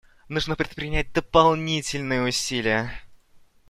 Нужно предпринять дополнительные усилия.